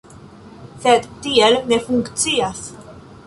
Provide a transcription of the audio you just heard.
Sed tiel ne funkcias.